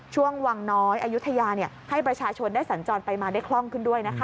ช่วงวังน้อยอายุทยาให้ประชาชนได้สัญจรไปมาได้คล่องขึ้นด้วยนะคะ